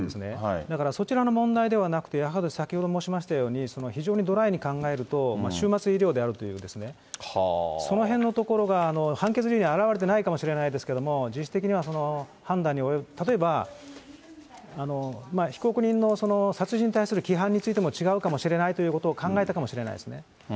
だからそちらの問題ではなくて、やはり先ほど申しましたように、非常にドライに考えると、終末医療であるという、そのへんのところが、判決理由に表れてはないかもしれないですけど、実質的には判断に及ぶ、例えば被告人の殺人に対する規範についても違うかもしれないということを考えたかもしれないですね。